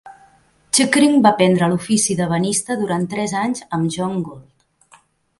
Chickering va aprendre l'ofici d'ebenista durant tres anys amb John Gould.